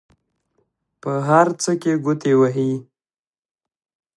په هر څه کې ګوتې وهي.